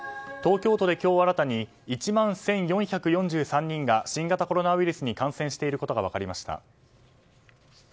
東京都で今日新たに１万１４４３人が新型コロナウイルスに感染していることが分かりました。